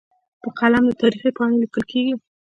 په قلم د تاریخ پاڼې لیکل کېږي.